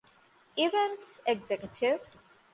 އިވެންޓްސް އެގްޒެކެޓިވް